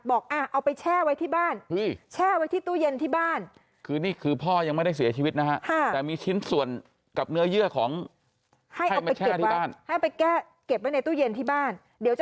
บอกเอาไปแช่ไว้ที่บ้าน